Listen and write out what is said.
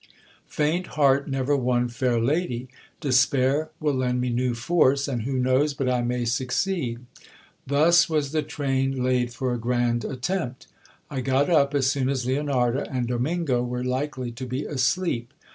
Faint heart never won fair lady. Despair will lend me new force, and who knows but I may succeed ? Thus was the train laid for a grand attempt. I got up as soon as Leonarda and Domingo were likely to be asleep.